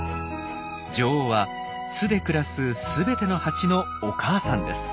女王は巣で暮らす全てのハチのお母さんです。